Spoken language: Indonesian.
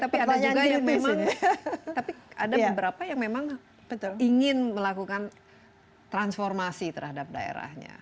tapi ada juga yang memang tapi ada beberapa yang memang ingin melakukan transformasi terhadap daerahnya